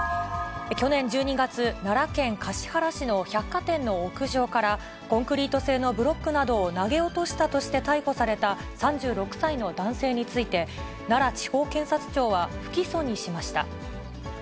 去年１２月、奈良県橿原市の百貨店の屋上から、コンクリート製のブロックなどを投げ落としたとして逮捕された３６歳の男性について、奈良地方検察庁は不起訴にしました。